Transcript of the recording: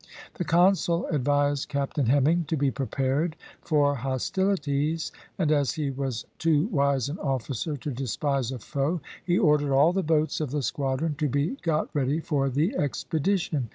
The Consul advised Captain Hemming to be prepared for hostilities, and as he was too wise an officer to despise a foe, he ordered all the boats of the squadron to be got ready for the expedition.